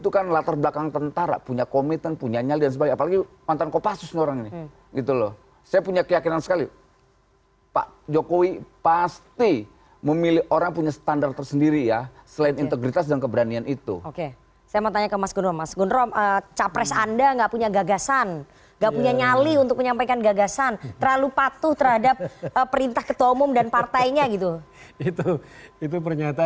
kalau ada kemudian yang berkhianat